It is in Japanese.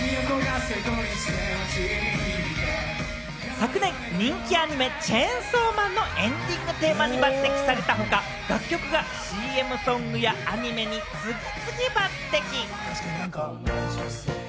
昨年、人気アニメ『チェンソーマン』のエンディングテーマに抜てきされた他、楽曲がＣＭソングやアニメに次々抜てき。